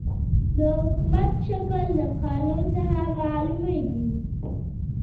د حکومت شکل د قانون څخه معلوميږي.